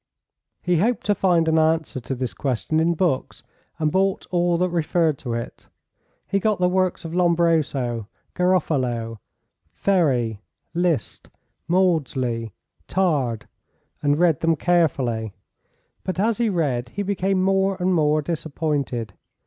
He hoped to find an answer to this question in books, and bought all that referred to it. He got the works of Lombroso, Garofalo, Ferry, List, Maudsley, Tard, and read them carefully. But as he read he became more and more disappointed.